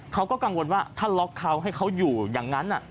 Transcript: เขาก็กังวลว่าถ้าล็อกเขาให้เขาอยู่อย่างนั้น